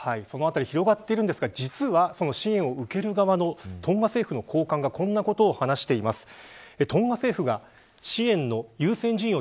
そのあたり広がっているんですが実は、支援を受ける側のトンガ政府の高官がこんなことを話してます。